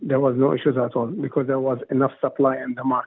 tidak ada masalah karena ada banyak penyelesaian di pasar